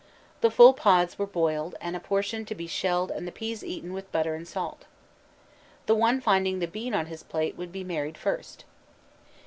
The full pods were boiled, and apportioned to be shelled and the peas eaten with butter and salt. The one finding the bean on his plate would be married first.